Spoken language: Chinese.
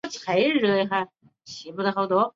纠结难断的情感也必须在生死间得到答案。